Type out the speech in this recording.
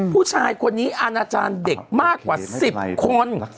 ผู้ชายคนนี้อาณาจารย์เด็กมากกว่า๑๐คน